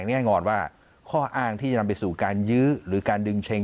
แน่นอนว่าข้ออ้างที่จะนำไปสู่การยื้อหรือการดึงเช็ง